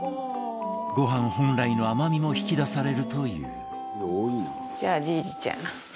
ご飯本来の甘みも引き出されるという